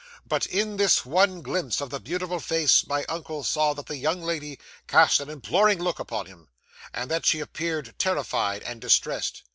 'But, in this one glimpse of the beautiful face, my uncle saw that the young lady cast an imploring look upon him, and that she appeared terrified and distressed.